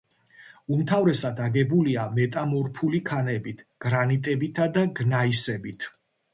უმთავრესად აგებულია მეტამორფული ქანებით, გრანიტებითა და გნაისებით.